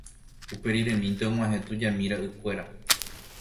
Uperiremínte og̃uahẽ tujami ra'ykuéra